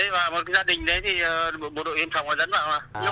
một gia đình đấy thì một đội yên phòng dẫn vào